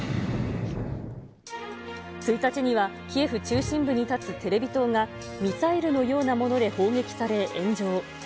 １日には、キエフ中心部に建つテレビ塔がミサイルのようなもので砲撃され炎上。